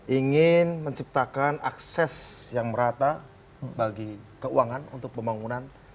ingin menciptakan akses yang merata bagi keuangan untuk pembangunan